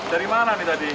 dari mana nih tadi